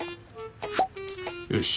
よし。